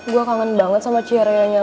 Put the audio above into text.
gue kangen banget sama cerianya lo